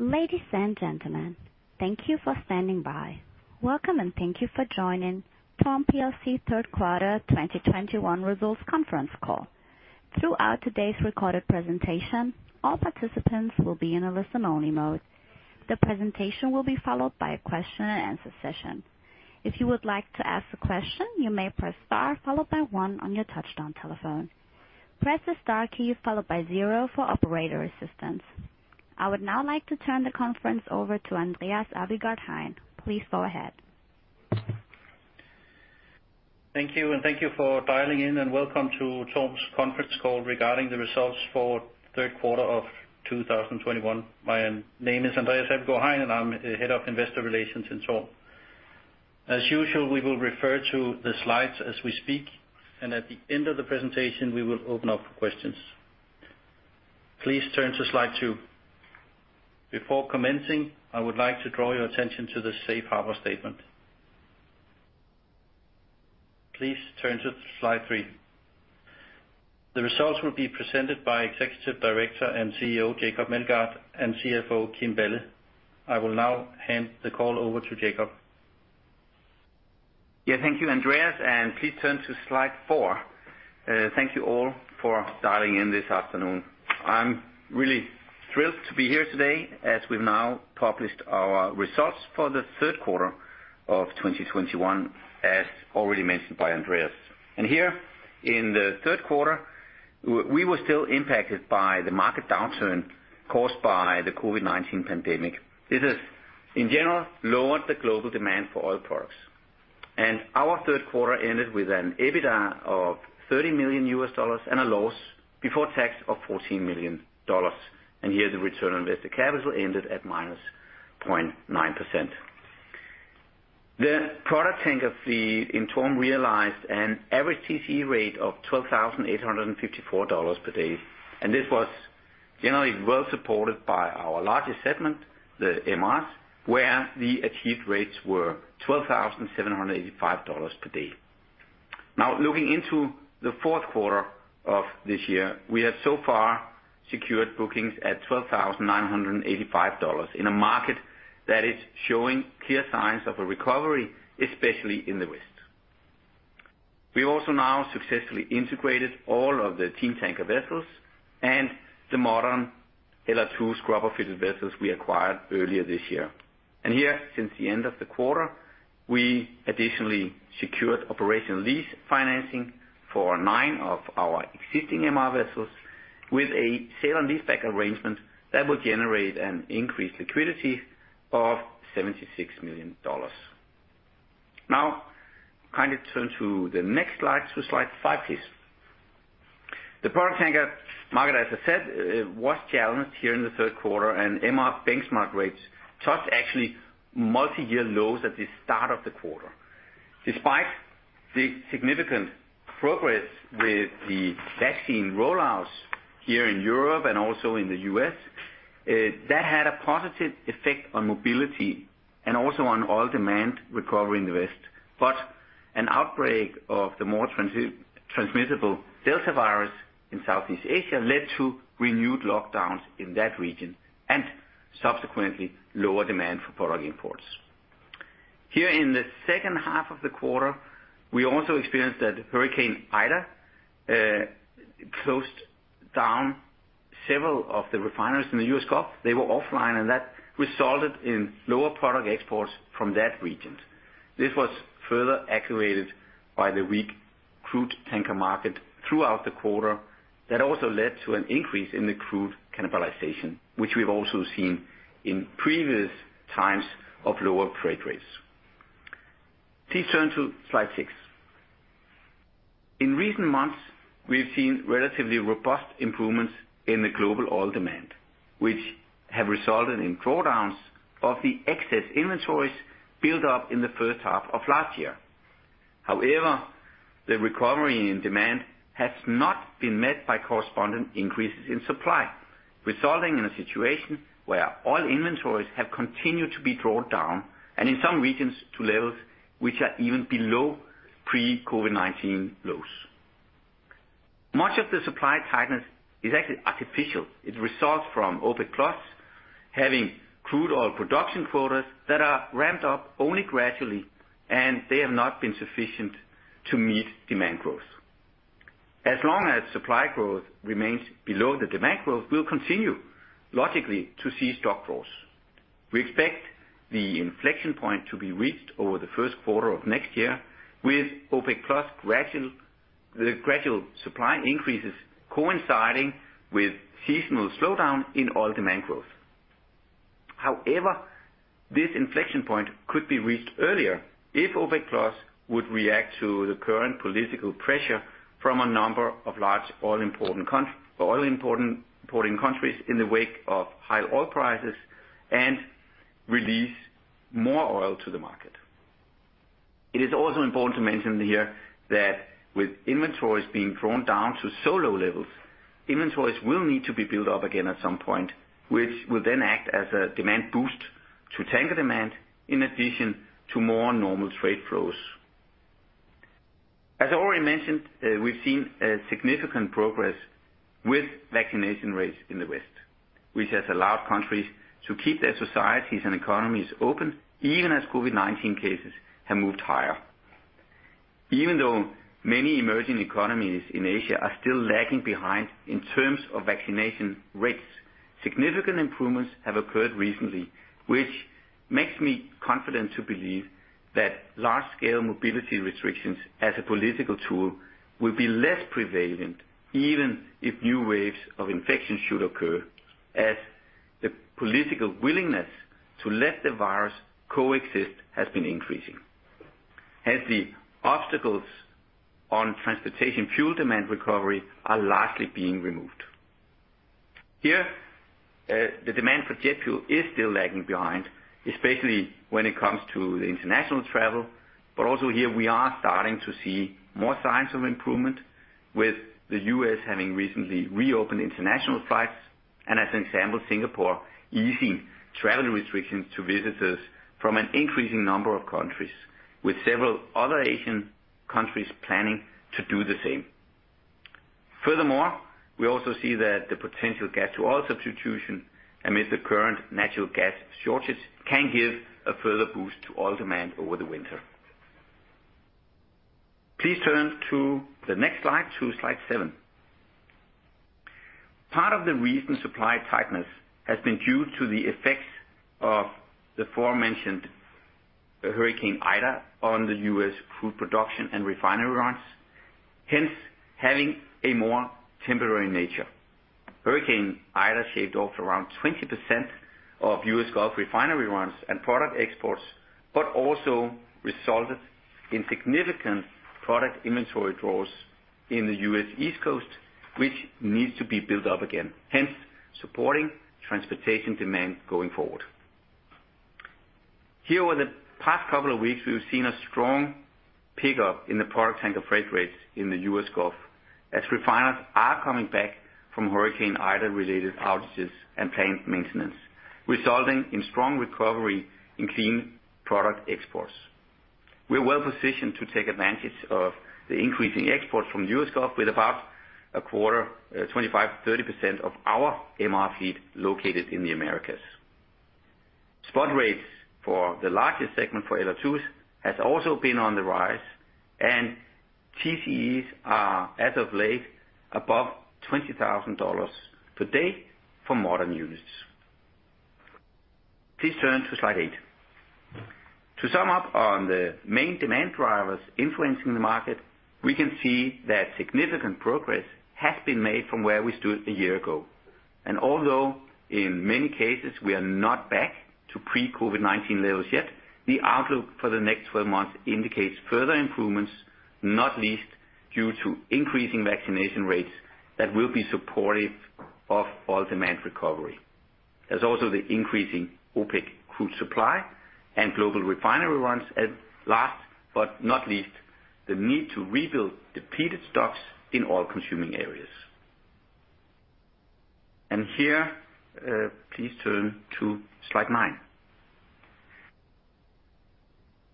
Ladies and gentlemen, thank you for standing by. Welcome, and thank you for joining TORM plc third quarter 2021 results conference call. Throughout today's recorded presentation, all participants will be in a listen only mode. The presentation will be followed by a question and answer session. If you would like to ask a question, you may press star followed by one on your touchtone telephone. Press the star key followed by zero for operator assistance. I would now like to turn the conference over to Andreas Abildgaard-Hein. Please go ahead. Thank you, and thank you for dialing in, and welcome to TORM's conference call regarding the results for third quarter of 2021. My name is Andreas Abildgaard-Hein, and I'm Head of Investor Relations in TORM. As usual, we will refer to the slides as we speak, and at the end of the presentation, we will open up for questions. Please turn to slide two. Before commencing, I would like to draw your attention to the Safe Harbor statement. Please turn to slide three. The results will be presented by Executive Director and CEO Jacob Meldgaard and CFO Kim Balle. I will now hand the call over to Jacob. Yeah, thank you, Andreas, and please turn to slide four. Thank you all for dialing in this afternoon. I'm really thrilled to be here today as we've now published our results for the third quarter of 2021, as already mentioned by Andreas. Here in the third quarter, we were still impacted by the market downturn caused by the COVID-19 pandemic. This has, in general, lowered the global demand for oil products. Our third quarter ended with an EBITDA of $30 million and a loss before tax of $14 million. Here the return on invested capital ended at -0.9%. The product tanker fleet in TORM realized an average TC rate of $12,854 per day, and this was generally well supported by our largest segment, the MRs, where the achieved rates were $12,785 per day. Now, looking into the fourth quarter of this year, we have so far secured bookings at $12,985 in a market that is showing clear signs of a recovery, especially in the West. We also now successfully integrated all of the TEAM Tankers vessels and the modern LR2 scrubber-fitted vessels we acquired earlier this year. Here, since the end of the quarter, we additionally secured operational lease financing for nine of our existing MR vessels with a sale and leaseback arrangement that will generate an increased liquidity of $76 million. Now, kind of turn to the next slide. Slide five, please. The product tanker market, as I said, was challenged here in the third quarter, and MR benchmark rates touched actually multi-year lows at the start of the quarter. Despite the significant progress with the vaccine rollouts here in Europe and also in the U.S., that had a positive effect on mobility and also on oil demand recovery in the West. An outbreak of the more transmissible Delta variant in Southeast Asia led to renewed lockdowns in that region and subsequently lower demand for product imports. Here in the second half of the quarter, we also experienced that Hurricane Ida closed down several of the refineries in the U.S. Gulf. They were offline, and that resulted in lower product exports from that region. This was further aggravated by the weak crude tanker market throughout the quarter. That also led to an increase in the crude cannibalization, which we've also seen in previous times of lower freight rates. Please turn to slide 6. In recent months, we've seen relatively robust improvements in the global oil demand, which have resulted in drawdowns of the excess inventories built up in the first half of last year. However, the recovery in demand has not been met by corresponding increases in supply, resulting in a situation where oil inventories have continued to be drawn down and in some regions to levels which are even below pre-COVID-19 lows. Much of the supply tightness is actually artificial. It results from OPEC+ having crude oil production quotas that are ramped up only gradually, and they have not been sufficient to meet demand growth. As long as supply growth remains below the demand growth, we'll continue, logically, to see stocks fall. We expect the inflection point to be reached over the first quarter of next year, with OPEC+ the gradual supply increases coinciding with seasonal slowdown in oil demand growth. However, this inflection point could be reached earlier if OPEC+ would react to the current political pressure from a number of large oil importing countries in the wake of high oil prices and release more oil to the market. It is also important to mention here that with inventories being drawn down to so low levels, inventories will need to be built up again at some point, which will then act as a demand boost to tanker demand in addition to more normal trade flows. As I already mentioned, we've seen a significant progress with vaccination rates in the West, which has allowed countries to keep their societies and economies open, even as COVID-19 cases have moved higher. Even though many emerging economies in Asia are still lagging behind in terms of vaccination rates, significant improvements have occurred recently, which makes me confident to believe that large-scale mobility restrictions as a political tool will be less prevalent, even if new waves of infections should occur, as the political willingness to let the virus coexist has been increasing. Hence, the obstacles on transportation fuel demand recovery are largely being removed. Here, the demand for jet fuel is still lagging behind, especially when it comes to the international travel. Also here we are starting to see more signs of improvement with the U.S. having recently reopened international flights, and as an example, Singapore easing travel restrictions to visitors from an increasing number of countries, with several other Asian countries planning to do the same. Furthermore, we also see that the potential gas-to-oil substitution amid the current natural gas shortage can give a further boost to oil demand over the winter. Please turn to the next slide, to slide seven. Part of the reason supply tightness has been due to the effects of the aforementioned Hurricane Ida on the U.S. crude production and refinery runs, hence having a more temporary nature. Hurricane Ida shaved off around 20% of U.S. Gulf refinery runs and product exports, but also resulted in significant product inventory draws in the U.S. East Coast, which needs to be built up again, hence supporting transportation demand going forward. Over the past couple of weeks, we've seen a strong pickup in the product tanker freight rates in the U.S. Gulf as refiners are coming back from Hurricane Ida-related outages and plant maintenance, resulting in strong recovery in clean product exports. We're well-positioned to take advantage of the increasing exports from U.S. Gulf with about a quarter, 25-30% of our MR fleet located in the Americas. Spot rates for the largest segment for LR2s has also been on the rise, and TCEs are as of late above $20,000 per day for modern units. Please turn to slide eight. To sum up on the main demand drivers influencing the market, we can see that significant progress has been made from where we stood a year ago. Although in many cases we are not back to pre-COVID-19 levels yet, the outlook for the next 12 months indicates further improvements, not least due to increasing vaccination rates that will be supportive of oil demand recovery. There's also the increasing OPEC crude supply and global refinery runs. Last but not least, the need to rebuild depleted stocks in oil consuming areas. Here, please turn to slide nine.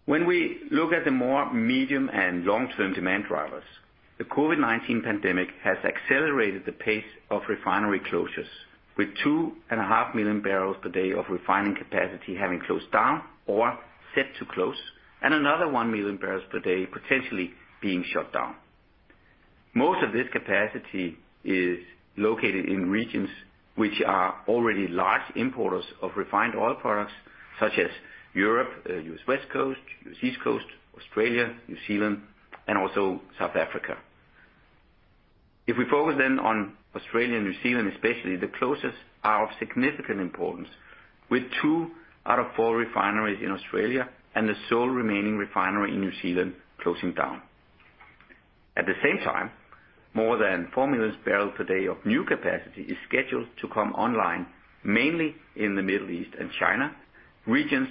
When we look at the more medium and long-term demand drivers, the COVID-19 pandemic has accelerated the pace of refinery closures, with 2.5 million barrels per day of refining capacity having closed down or set to close, and another 1 million barrels per day potentially being shut down. Most of this capacity is located in regions which are already large importers of refined oil products such as Europe, U.S. West Coast, U.S. East Coast, Australia, New Zealand, and also South Africa. If we focus then on Australia and New Zealand especially, the closures are of significant importance, with two out of four refineries in Australia and the sole remaining refinery in New Zealand closing down. At the same time, more than four million barrels per day of new capacity is scheduled to come online, mainly in the Middle East and China, regions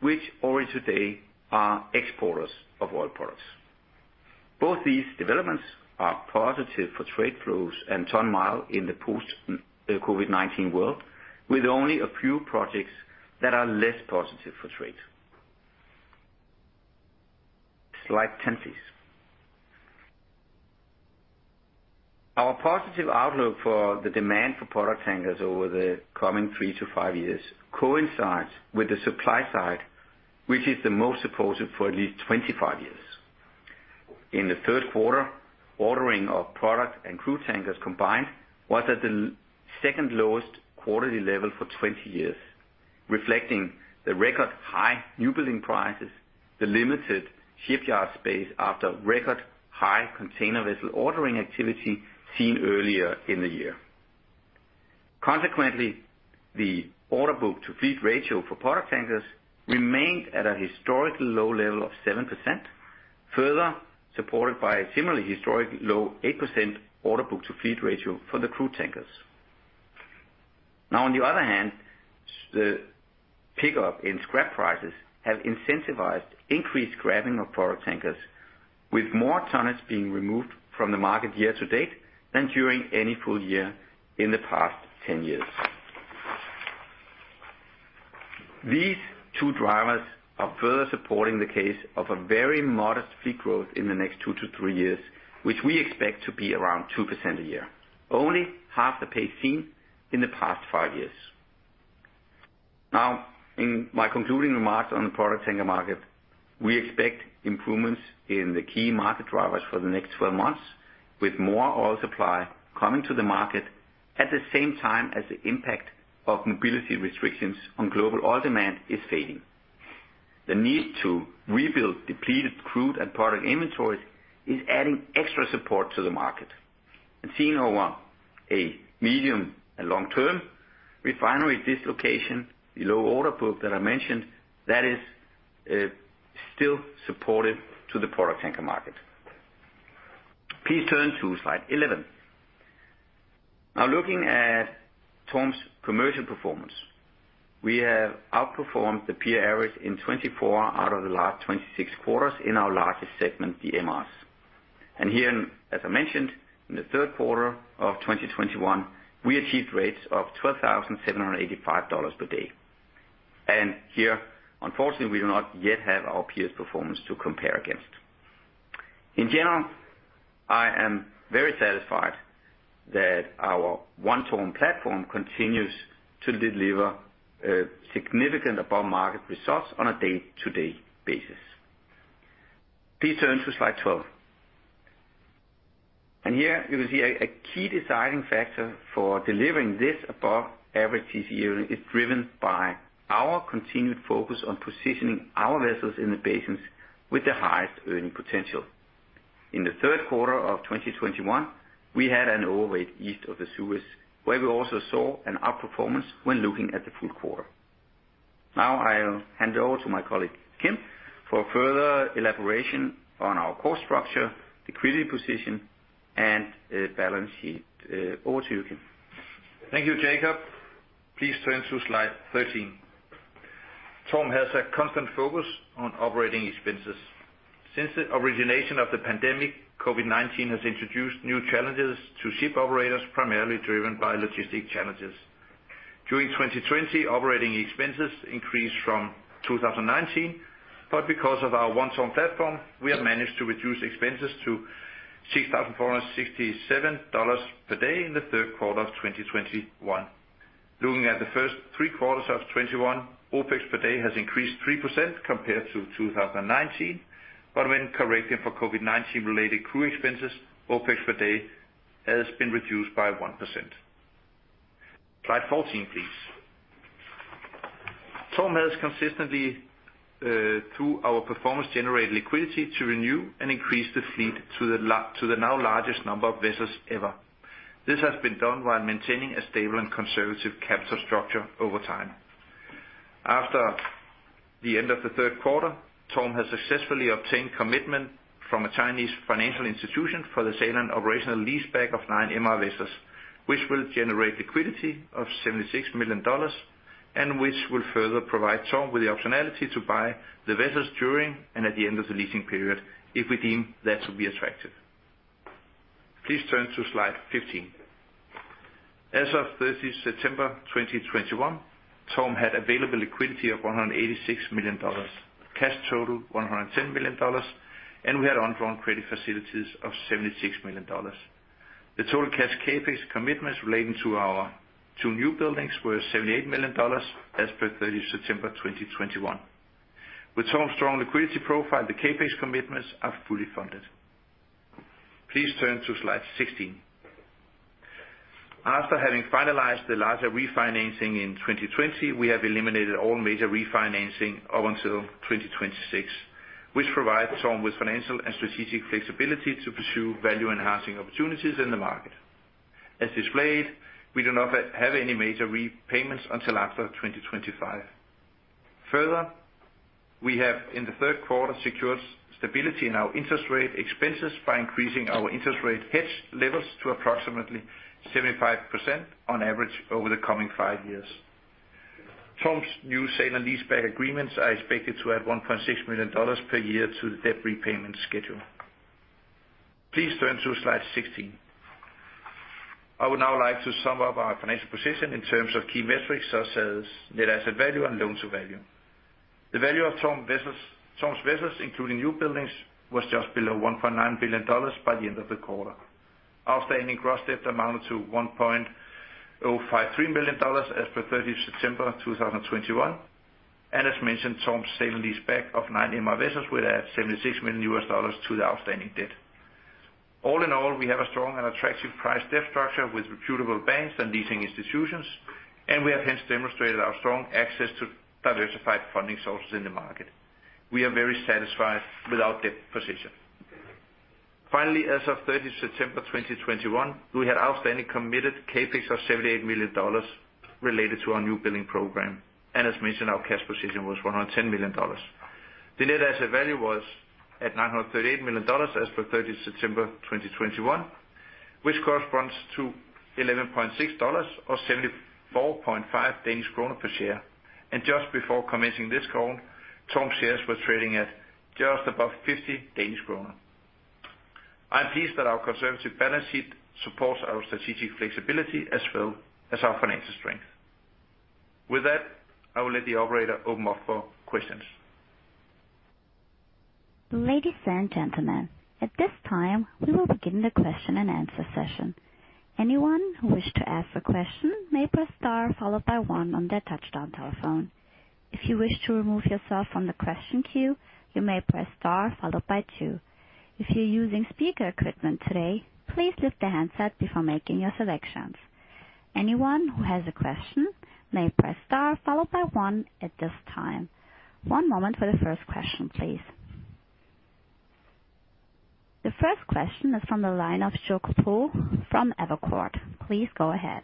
which already today are exporters of oil products. Both these developments are positive for trade flows and ton-mile in the post-COVID-19 world, with only a few projects that are less positive for trade. Slide 10, please. Our positive outlook for the demand for product tankers over the coming three to five years coincides with the supply side, which is the most supportive for at least 25 years. In the third quarter, ordering of product and crude tankers combined was at the second-lowest quarterly level for 20 years, reflecting the record high newbuilding prices, the limited shipyard space after record high container vessel ordering activity seen earlier in the year. Consequently, the order book to fleet ratio for product tankers remained at a historically low level of 7%, further supported by a similarly historic low 8% order book to fleet ratio for the crude tankers. Now on the other hand, the pickup in scrap prices have incentivized increased scrapping of product tankers, with more tonnage being removed from the market year to date than during any full year in the past 10 years. These two drivers are further supporting the case of a very modest fleet growth in the next 2-3 years, which we expect to be around 2% a year. Only half the pace seen in the past 5 years. In my concluding remarks on the product tanker market, we expect improvements in the key market drivers for the next 12 months, with more oil supply coming to the market at the same time as the impact of mobility restrictions on global oil demand is fading. The need to rebuild depleted crude and product inventories is adding extra support to the market. Seen over a medium and long term, refinery dislocation, the low order book that I mentioned, that is still supportive to the product tanker market. Please turn to slide 11. Now, looking at TORM's commercial performance. We have outperformed the peer average in 24 out of the last 26 quarters in our largest segment, the MRs. Here in, as I mentioned, in the third quarter of 2021, we achieved rates of $12,785 per day. Here, unfortunately, we do not yet have our peers' performance to compare against. In general, I am very satisfied that our One TORM platform continues to deliver significant above market results on a day-to-day basis. Please turn to slide 12. Here you will see a key deciding factor for delivering this above average TCE is driven by our continued focus on positioning our vessels in the basins with the highest earning potential. In the third quarter of 2021, we had an overweight east of the Suez, where we also saw an outperformance when looking at the full quarter. Now I'll hand over to my colleague, Kim, for further elaboration on our cost structure, liquidity position and balance sheet. Over to you, Kim. Thank you, Jacob. Please turn to slide 13. TORM has a constant focus on operating expenses. Since the origination of the pandemic, COVID-19 has introduced new challenges to ship operators, primarily driven by logistic challenges. During 2020, operating expenses increased from 2019, but because of our One TORM platform, we have managed to reduce expenses to $6,467 per day in Q3 2021. Looking at the first three quarters of 2021, OpEx per day has increased 3% compared to 2019. When correcting for COVID-19 related crew expenses, OpEx per day has been reduced by 1%. Slide 14, please. TORM has consistently through our performance generate liquidity to renew and increase the fleet to the now largest number of vessels ever. This has been done while maintaining a stable and conservative capital structure over time. After the end of the third quarter, TORM has successfully obtained commitment from a Chinese financial institution for the sale and leaseback of nine MR vessels, which will generate liquidity of $76 million, and which will further provide TORM with the optionality to buy the vessels during and at the end of the leasing period, if we deem that to be attractive. Please turn to slide 15. As of September 30, 2021, TORM had available liquidity of $186 million, cash total $110 million, and we had undrawn credit facilities of $76 million. The total cash CapEx commitments relating to our two new buildings were $78 million as per September 30, 2021. With TORM's strong liquidity profile, the CapEx commitments are fully funded. Please turn to slide 16. After having finalized the larger refinancing in 2020, we have eliminated all major refinancing up until 2026, which provides TORM with financial and strategic flexibility to pursue value enhancing opportunities in the market. As displayed, we do not have any major repayments until after 2025. Further, we have, in the third quarter, secured stability in our interest rate expenses by increasing our interest rate hedge levels to approximately 75% on average over the coming five years. TORM's new sale and leaseback agreements are expected to add $1.6 million per year to the debt repayment schedule. Please turn to slide 16. I would now like to sum up our financial position in terms of key metrics such as net asset value and loan to value. The value of TORM vessels, TORM's vessels, including new buildings, was just below $1.9 billion by the end of the quarter. Outstanding gross debt amounted to $1.053 billion as per 30 September 2021. As mentioned, TORM's sale and leaseback of 9 MR vessels will add $76 million to the outstanding debt. All in all, we have a strong and attractive net debt structure with reputable banks and leasing institutions, and we have hence demonstrated our strong access to diversified funding sources in the market. We are very satisfied with our debt position. Finally, as of 30 September 2021, we had outstanding committed CapEx of $78 million related to our new building program. As mentioned, our cash position was $110 million. The net asset value was at $938 million as of 30 September 2021, which corresponds to $11.6 or 74.5 Danish kroner per share. Just before commencing this call, TORM shares were trading at just above 50 Danish kroner. I'm pleased that our conservative balance sheet supports our strategic flexibility as well as our financial strength. With that, I will let the operator open up for questions. Ladies and gentlemen, at this time, we will begin the question-and-answer session. Anyone who wishes to ask a question may press star followed by one on their touch-tone telephone. If you wish to remove yourself from the question queue, you may press star followed by two. If you're using speaker equipment today, please lift the handset before making your selections. Anyone who has a question may press star followed by one at this time. One moment for the first question, please. The first question is from the line of Jonathan Chappell from Evercore ISI. Please go ahead.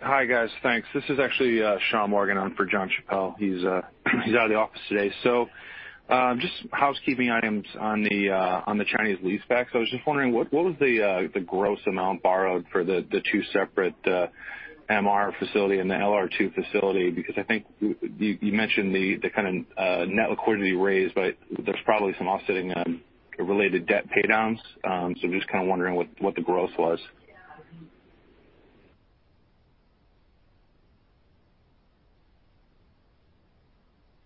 Hi, guys. Thanks. This is actually Sean Morgan on for Jonathan Chappell. He's out of the office today. Just housekeeping items on the Chinese leaseback. I was just wondering, what was the gross amount borrowed for the two separate MR facility and the LR2 facility? Because I think you mentioned the kind of net liquidity raised, but there's probably some offsetting related debt pay downs. I'm just kinda wondering what the gross was.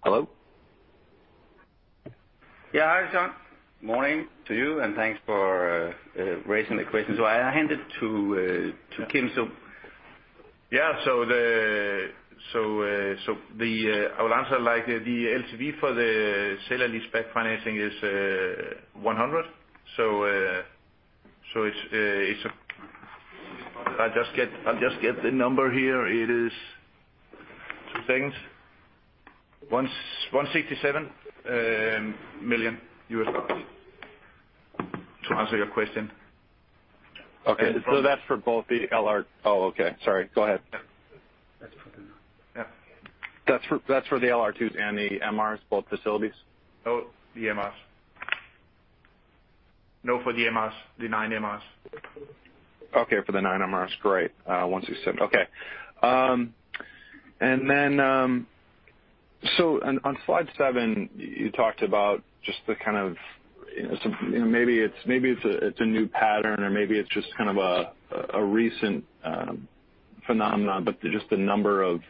Hello? Yeah, hi, Sean. Morning to you, and thanks for raising the question. I hand it to Kim. I will answer like the LTV for the sale and leaseback financing is 100. I'll just get the number here. It is two things. $161.67 million, to answer your question. Oh, okay. Sorry. Go ahead. Yeah. That's for the LR2s and the MRs, both facilities? No, the MRs. No, for the MRs, the nine MRs. Okay, for the 9 MRs. Great. 167. Okay. And then, so on slide seven, you talked about just the kind of, you know, some, you know, maybe it's a new pattern or maybe it's just kind of a recent phenomenon, but just the number of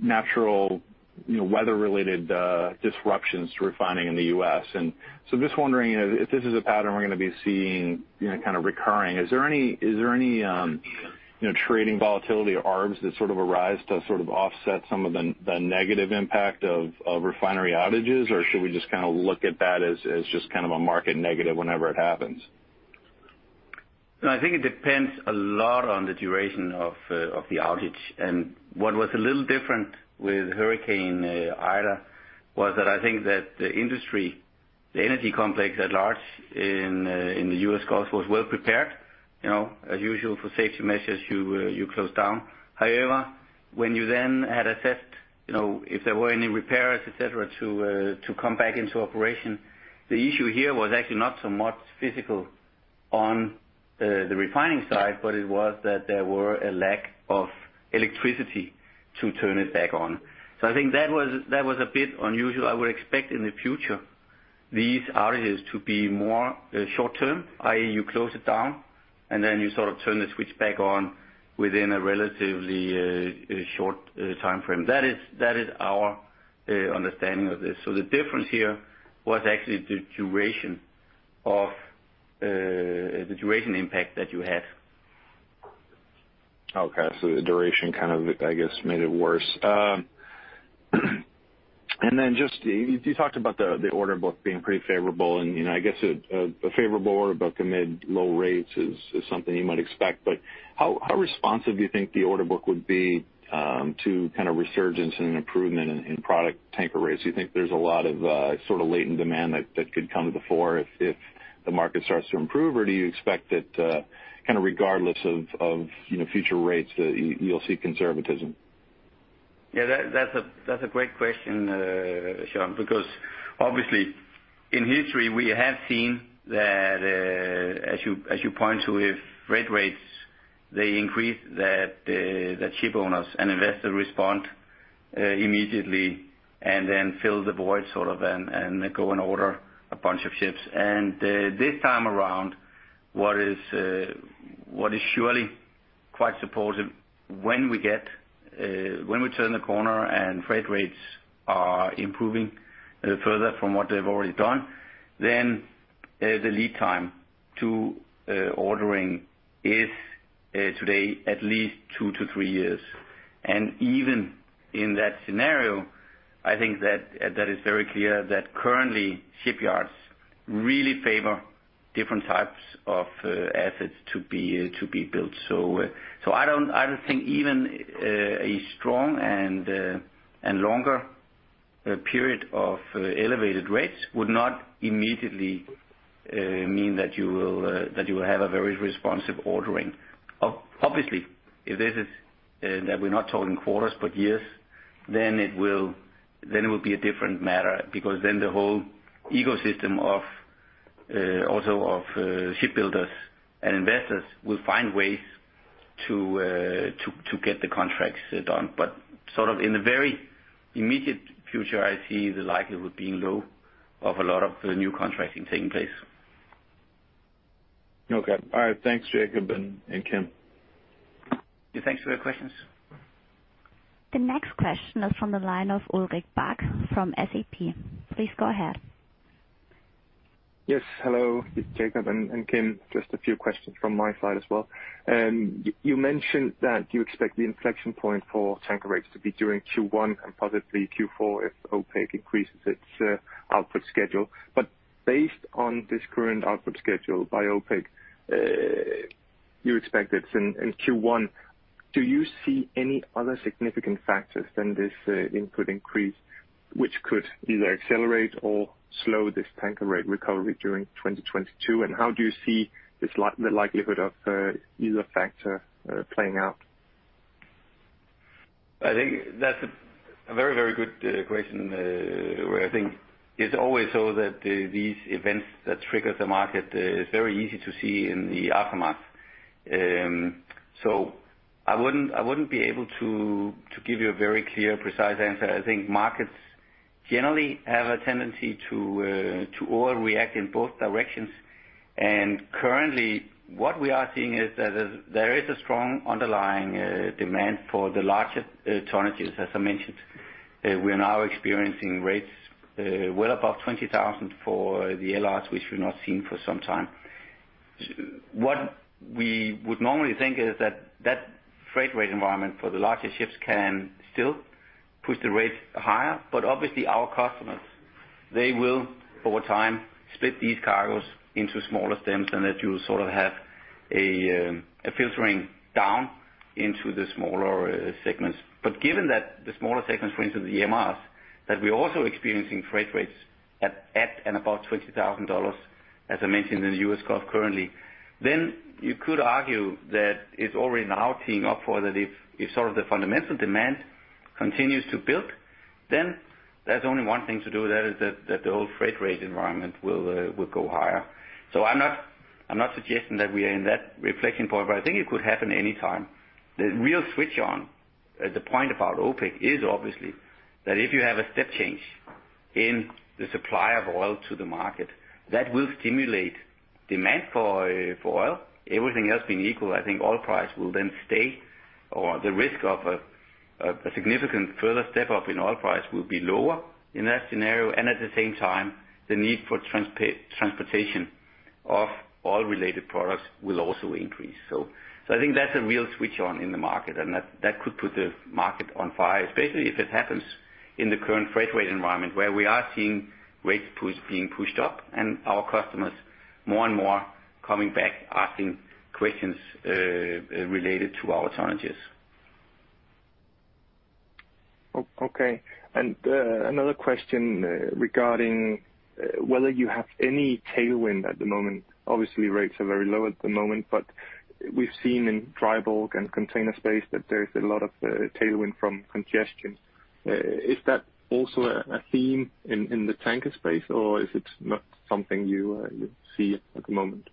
natural, you know, weather-related disruptions to refining in the U.S. Just wondering if this is a pattern we're gonna be seeing, you know, kinda recurring. Is there any trading volatility or arbs that sort of arise to sort of offset some of the negative impact of refinery outages? Or should we just kinda look at that as just kind of a market negative whenever it happens? No, I think it depends a lot on the duration of the outage. What was a little different with Hurricane Ida was that I think that the industry, the energy complex at large in the U.S. Gulf Coast was well prepared. You know, as usual for safety measures, you close down. However, when you then had assessed, you know, if there were any repairs, et cetera, to come back into operation, the issue here was actually not so much physical on the refining side, but it was that there were a lack of electricity to turn it back on. I think that was a bit unusual. I would expect in the future, these outages to be more short-term. I.e., you close it down, and then you sort of turn the switch back on within a relatively short timeframe. That is our understanding of this. The difference here was actually the duration impact that you had. The duration kind of, I guess, made it worse. Then just you talked about the order book being pretty favorable, and, you know, I guess a favorable order book amid low rates is something you might expect. How responsive do you think the order book would be to kinda resurgence and an improvement in product tanker rates? Do you think there's a lot of sorta latent demand that could come to the fore if the market starts to improve? Or do you expect that kinda regardless of, you know, future rates that you'll see conservatism? Yeah, that's a great question, Sean, because obviously in history, we have seen that, as you point to, if freight rates they increase that ship owners and investors respond immediately and then fill the void sort of and go and order a bunch of ships. This time around, what is surely quite supportive when we turn the corner and freight rates are improving further from what they've already done, then the lead time to ordering is today at least two to three years. Even in that scenario, I think that is very clear that currently shipyards really favor different types of assets to be built. I don't think even a strong and longer period of elevated rates would not immediately mean that you will have a very responsive ordering. Obviously, if this is that we're not talking quarters but years, then it will be a different matter because then the whole ecosystem of also of shipbuilders and investors will find ways to get the contracts done. Sort of in the very immediate future, I see the likelihood being low of a lot of the new contracting taking place. Okay. All right, thanks Jacob and Kim. Yeah, thanks for the questions. The next question is from the line of Ulrik Bak from SEB. Please go ahead. Yes, hello, Jacob and Kim. Just a few questions from my side as well. You mentioned that you expect the inflection point for tanker rates to be during Q1 and possibly Q4 if OPEC increases its output schedule. Based on this current output schedule by OPEC, you expect it in Q1. Do you see any other significant factors than this output increase which could either accelerate or slow this tanker rate recovery during 2022? How do you see the likelihood of either factor playing out? I think that's a very, very good question. Where I think it's always so that these events that trigger the market is very easy to see in the aftermath. So I wouldn't be able to give you a very clear, precise answer. I think markets generally have a tendency to overreact in both directions. Currently, what we are seeing is that there is a strong underlying demand for the larger tonnages, as I mentioned. We are now experiencing rates well above 20,000 for the LR2s, which we've not seen for some time. What we would normally think is that that freight rate environment for the larger ships can still push the rates higher, but obviously our customers, they will, over time, split these cargoes into smaller stems, and that you'll sort of have a filtering down into the smaller segments. Given that the smaller segments, for instance, the MRs, that we're also experiencing freight rates at and about $20,000, as I mentioned, in the U.S. Gulf currently, then you could argue that it's already now teeing up for that if sort of the fundamental demand continues to build, then there's only one thing to do with that, is that the whole freight rate environment will go higher. I'm not suggesting that we are in that inflection point, but I think it could happen anytime. The real switch on, the point about OPEC is obviously that if you have a step change in the supply of oil to the market, that will stimulate demand for oil. Everything else being equal, I think oil price will then stay, or the risk of a significant further step up in oil price will be lower in that scenario. At the same time, the need for transportation of oil related products will also increase. I think that's a real switch on in the market, and that could put the market on fire, especially if it happens in the current freight rate environment where we are seeing rates being pushed up and our customers more and more coming back asking questions related to our tonnages. Okay. Another question regarding whether you have any tailwind at the moment. Obviously, rates are very low at the moment, but we've seen in dry bulk and container space that there's a lot of tailwind from congestion. Is that also a theme in the tanker space, or is it not something you see at the moment?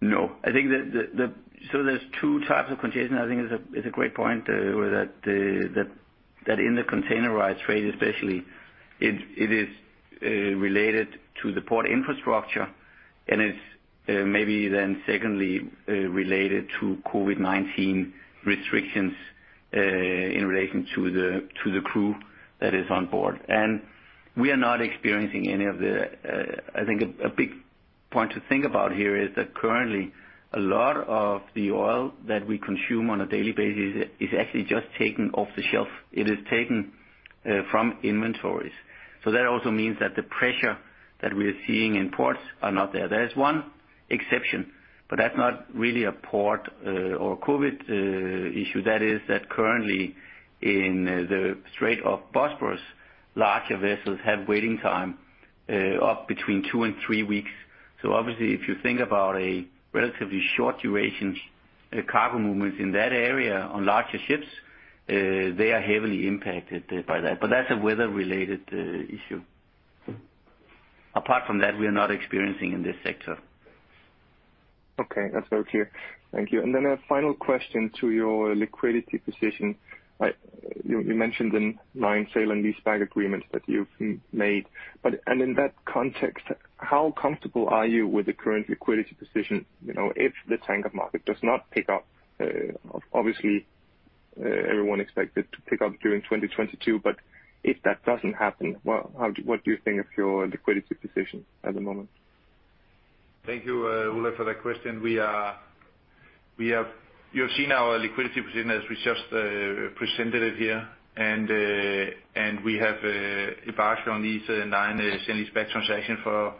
No. I think there's two types of congestion. I think it's a great point where that in the containerized trade especially, it is related to the port infrastructure and it's maybe then secondly related to COVID-19 restrictions in relation to the crew that is on board. We are not experiencing any of the. I think a big point to think about here is that currently a lot of the oil that we consume on a daily basis is actually just taken off the shelf. It is taken from inventories. That also means that the pressure that we are seeing in ports are not there. There is one exception, but that's not really a port or a COVID issue. That is, currently in the Strait of Bosporus, larger vessels have waiting time up between two and three weeks. Obviously, if you think about a relatively short duration cargo movements in that area on larger ships, they are heavily impacted by that. That's a weather-related issue. Apart from that, we are not experiencing in this sector. Okay. That's very clear. Thank you. Then a final question to your liquidity position. You mentioned the nine sale and leaseback agreements that you've made. In that context, how comfortable are you with the current liquidity position? You know, if the tanker market does not pick up, obviously, everyone expect it to pick up during 2022, but if that doesn't happen, well, what do you think of your liquidity position at the moment? Thank you, Ulrik, for that question. You have seen our liquidity position as we just presented it here. We have embarked on these nine sale and leaseback transactions for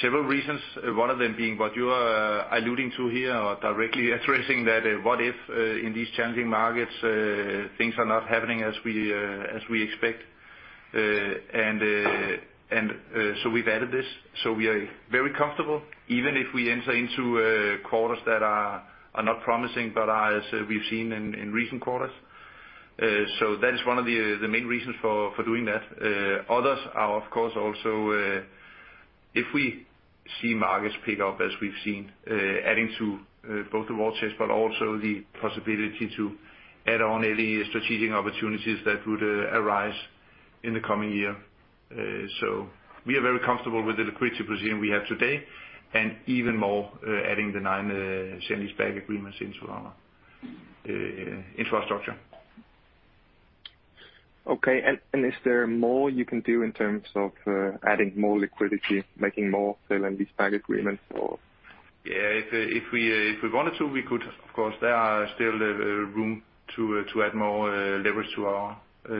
several reasons. One of them being what you are alluding to here or directly addressing that, what if, in these challenging markets, things are not happening as we expect. We've added this. We are very comfortable even if we enter into quarters that are not promising, but as we've seen in recent quarters. That is one of the main reasons for doing that. Others are of course also If we see markets pick up as we've seen, adding to both the stress test but also the possibility to add on any strategic opportunities that would arise in the coming year. We are very comfortable with the liquidity position we have today, and even more, adding the nine sale and leaseback agreements into our infrastructure. Okay. Is there more you can do in terms of adding more liquidity, making more sale and leaseback agreements or? Yeah. If we wanted to, we could. Of course, there are still room to add more to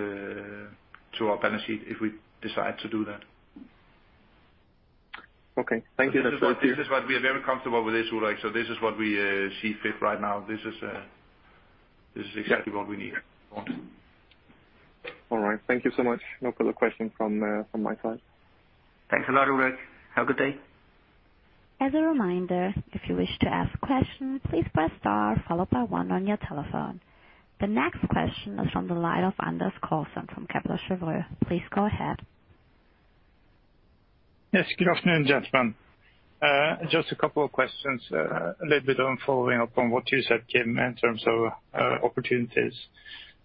our balance sheet if we decide to do that. Okay. Thank you. That's all. This is what we are very comfortable with this, Ulrik. This is what we see fit right now. This is exactly what we need want to. All right. Thank you so much. No further question from my side. Thanks a lot, Ulrik. Have a good day. As a reminder, if you wish to ask questions, please press star followed by one on your telephone. The next question is from the line of Anders Redigh Karlsen from Kepler Cheuvreux. Please go ahead. Yes. Good afternoon, gentlemen. Just a couple of questions. A little bit on following up on what you said, Kim, in terms of opportunities.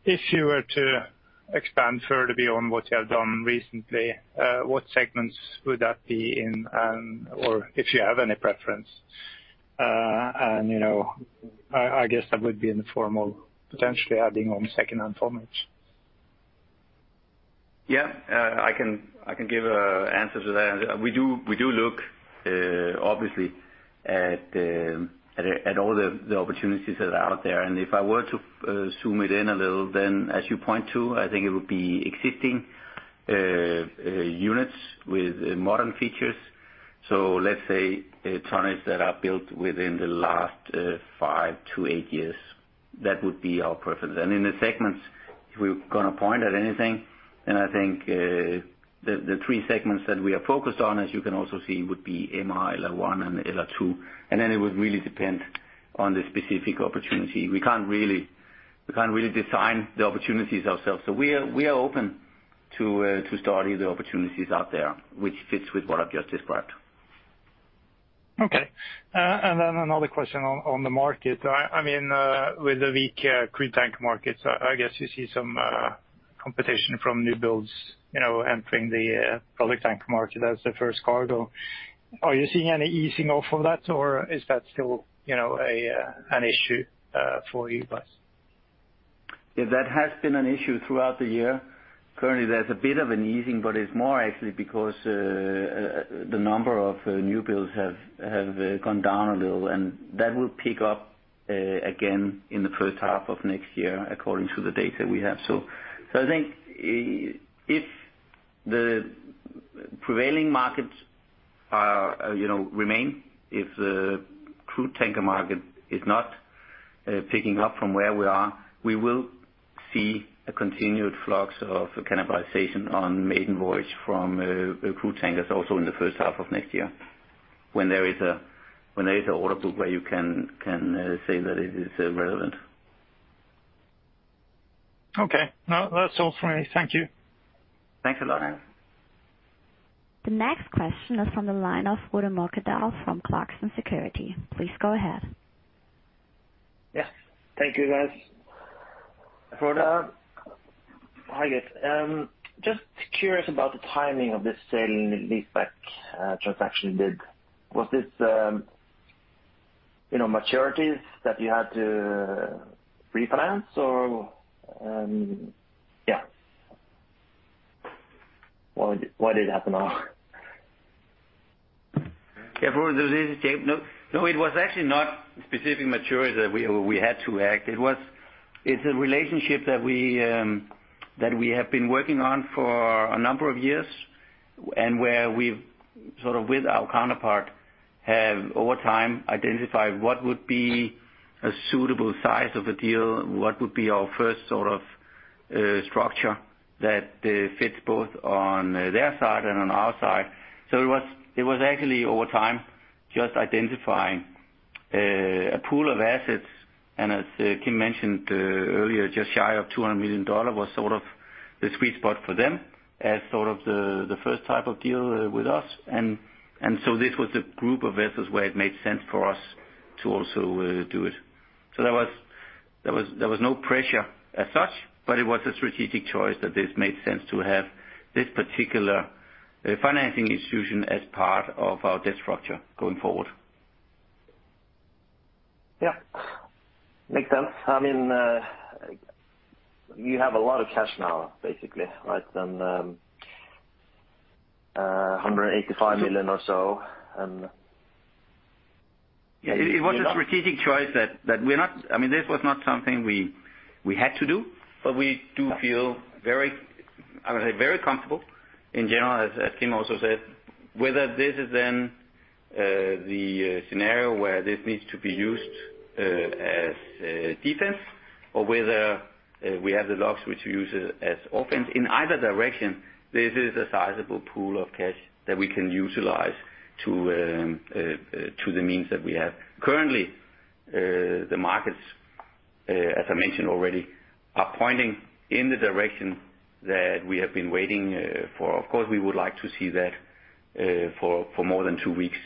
If you were to expand further beyond what you have done recently, what segments would that be in, or if you have any preference? You know, I guess that would be in the form of potentially adding on secondhand formats. Yeah. I can give an answer to that. We do look obviously at all the opportunities that are out there. If I were to zoom it in a little, then as you point to, I think it would be existing units with modern features. Let's say tonnages that are built within the last five to eight years. That would be our preference. In the segments, if we're gonna point at anything, then I think the three segments that we are focused on, as you can also see, would be MR, LR1 and LR2. It would really depend on the specific opportunity. We can't really design the opportunities ourselves. We are open to study the opportunities out there, which fits with what I've just described. Okay. Another question on the market. I mean, with the weak crude tank market, I guess you see some competition from new builds, you know, entering the product tank market as the first cargo. Are you seeing any easing off of that, or is that still, you know, an issue for you guys? Yeah, that has been an issue throughout the year. Currently, there's a bit of an easing, but it's more actually because the number of new builds have gone down a little, and that will pick up again in the first half of next year, according to the data we have. I think if the prevailing markets remain, you know, if the crude tanker market is not picking up from where we are, we will see a continued flux of cannibalization on maiden voyage from crude tankers also in the first half of next year when there is an order book where you can say that it is relevant. Okay. No, that's all from me. Thank you. Thanks a lot. The next question is from the line of Bendik Folden Nyttingnes from Clarksons Securities. Please go ahead. Yes. Thank you, guys. Hi, guys. Just curious about the timing of this sale and leaseback transaction. Was this, you know, maturities that you had to refinance? Or, yeah. Why did it happen now? Well, this is Kim. No, it was actually not specific maturity that we had to act. It was a relationship that we have been working on for a number of years and where we've sort of, with our counterpart, have over time identified what would be a suitable size of the deal, what would be our first sort of structure that fits both on their side and on our side. It was actually over time just identifying a pool of assets. As Kim mentioned earlier, just shy of $200 million was sort of the sweet spot for them as sort of the first type of deal with us. This was a group of vessels where it made sense for us to also do it. There was no pressure as such, but it was a strategic choice that this made sense to have this particular financing institution as part of our debt structure going forward. Yeah. Makes sense. I mean, you have a lot of cash now, basically, right? $185 million or so, and- Yeah. It was a strategic choice. I mean, this was not something we had to do, but we do feel very, I'm gonna say, very comfortable in general, as Kim also said, whether this is then the scenario where this needs to be used as defense or whether we have the locks which we use as offense. In either direction, this is a sizable pool of cash that we can utilize to the means that we have. Currently, the markets, as I mentioned already, are pointing in the direction that we have been waiting for. Of course, we would like to see that for more than 2 weeks.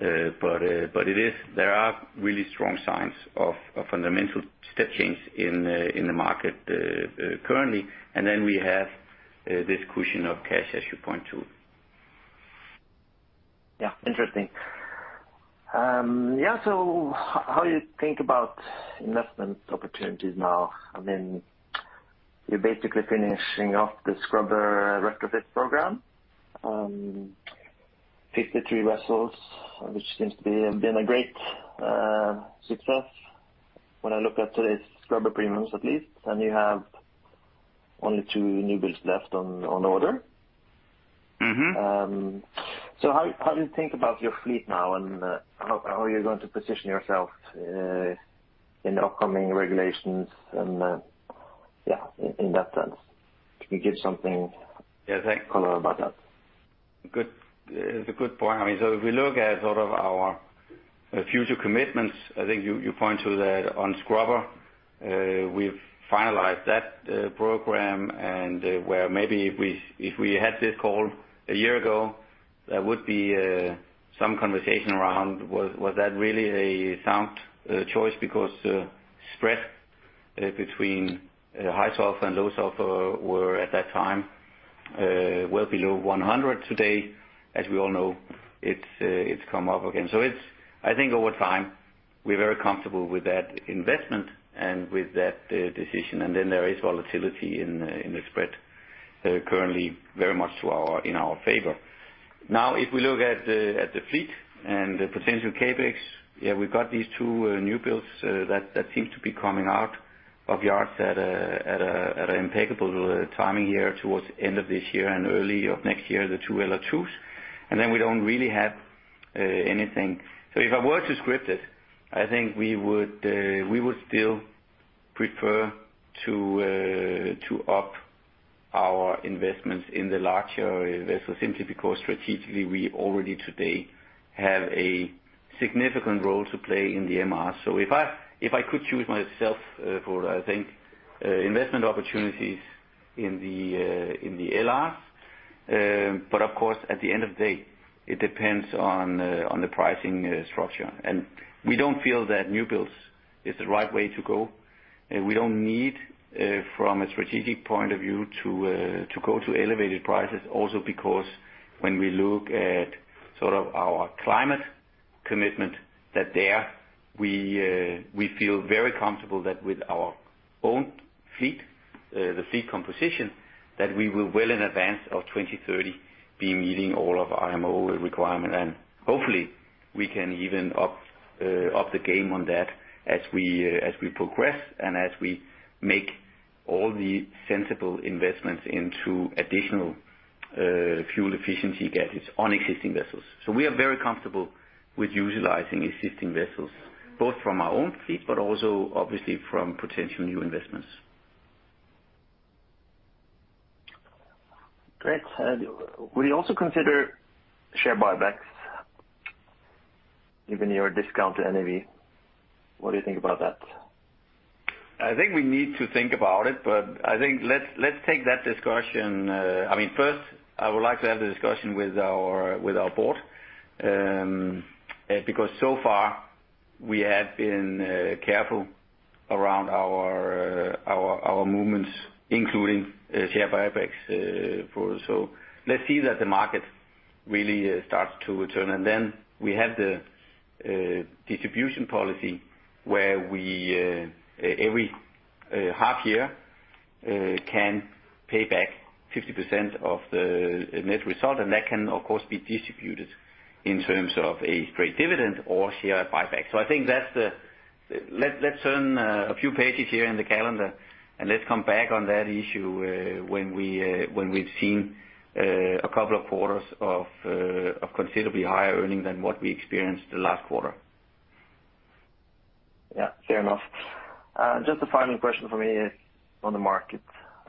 It is. There are really strong signs of a fundamental step change in the market currently. We have this cushion of cash, as you point to. Yeah. Interesting. Yeah, so how do you think about investment opportunities now? I mean, you're basically finishing off the scrubber retrofit program. 53 vessels, which seems to have been a great success when I look at today's scrubber premiums at least, and you have only two newbuilds left on order. How do you think about your fleet now and how are you going to position yourself in the upcoming regulations and in that sense? Can you give something- Yeah. Color about that? Good. It's a good point. I mean, so if we look at sort of our future commitments, I think you point to that on scrubber. We've finalized that program and where maybe if we had this call a year ago, there would be some conversation around was that really a sound choice because spread between high sulfur and low sulfur were at that time well below 100 today. As we all know, it's come up again. It's, I think over time, we're very comfortable with that investment and with that decision. Then there is volatility in the spread currently very much in our favor. Now, if we look at the fleet and the potential CapEx, we've got these two newbuilds that seem to be coming out of yards at an impeccable timing here towards end of this year and early of next year, the two LR2s. We don't really have anything. If I were to script it, I think we would still prefer to up our investments in the larger vessels simply because strategically we already today have a significant role to play in the MR. If I could choose myself, for I think investment opportunities in the LRs. But of course, at the end of the day, it depends on the pricing structure. We don't feel that newbuilds is the right way to go. We don't need from a strategic point of view to go to elevated prices also because when we look at sort of our climate commitment that there we feel very comfortable that with our own fleet the fleet composition that we will well in advance of 2030 be meeting all of our IMO requirement. Hopefully we can even up the game on that as we progress and as we make all the sensible investments into additional fuel efficiency gadgets on existing vessels. We are very comfortable with utilizing existing vessels both from our own fleet but also obviously from potential new investments. Great. Would you also consider share buybacks given your discount to NAV? What do you think about that? I think we need to think about it, but I think let's take that discussion. I mean, first, I would like to have the discussion with our board, because so far we have been careful around our movements, including share buybacks. Let's see that the market really starts to return. Then we have the distribution policy where we every half year can pay back 50% of the net result, and that can, of course, be distributed in terms of a straight dividend or share buyback. I think that's the. Let's turn a few pages here in the calendar, and let's come back on that issue when we've seen a couple of quarters of considerably higher earnings than what we experienced the last quarter. Yeah. Fair enough. Just a final question for me on the market.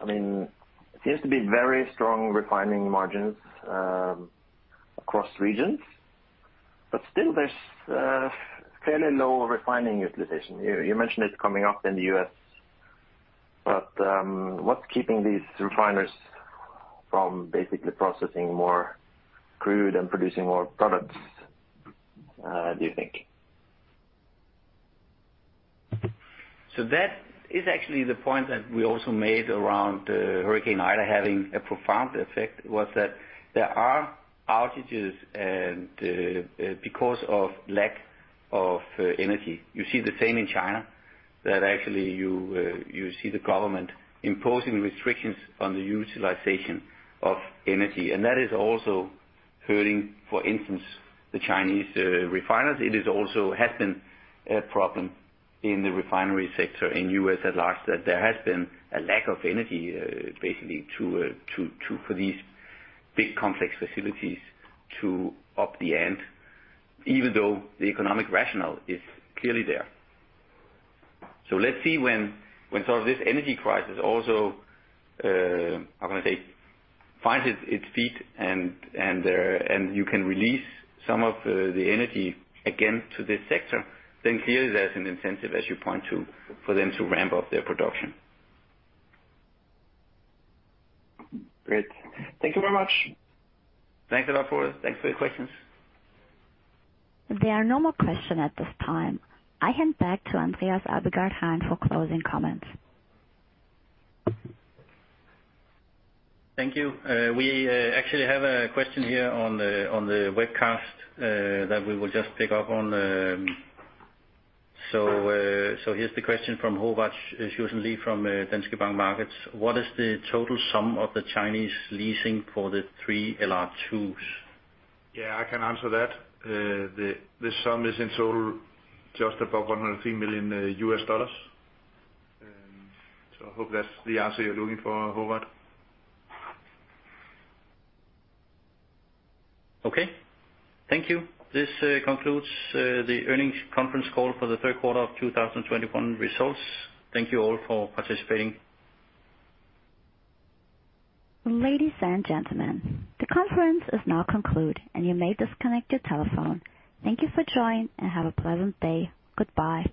I mean, it seems to be very strong refining margins across regions, but still there's fairly low refining utilization. You mentioned it coming up in the U.S., but what's keeping these refiners from basically processing more crude and producing more products, do you think? That is actually the point that we also made around Hurricane Ida having a profound effect, was that there are outages and because of lack of energy. You see the same in China, that actually you see the government imposing restrictions on the utilization of energy. That is also hurting, for instance, the Chinese refiners. It also has been a problem in the refinery sector in U.S. at large, that there has been a lack of energy, basically for these big complex facilities to up the ante, even though the economic rationale is clearly there. Let's see when sort of this energy crisis also, I'm gonna say, finds its feet and you can release some of the energy again to this sector. Then clearly there's an incentive, as you point to, for them to ramp up their production. Great. Thank you very much. Thanks a lot, Bendik. Thanks for your questions. There are no more questions at this time. I hand back to Andreas Abildgaard-Hein for closing comments. Thank you. We actually have a question here on the webcast that we will just pick up on. Here's the question from Ulrik Bak from Danske Bank Markets. What is the total sum of the Chinese leasing for the three LR2s? Yeah, I can answer that. The sum is in total just above $103 million. I hope that's the answer you're looking for, Ulrik Bak. Okay. Thank you. This concludes the earnings conference call for the third quarter of 2021 results. Thank you all for participating. Ladies and gentlemen, the conference is now concluded, and you may disconnect your telephone. Thank you for joining, and have a pleasant day. Goodbye.